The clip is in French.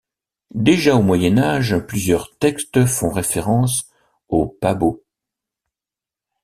Déjà au Moyen Âge, plusieurs textes font référence aux Pabot.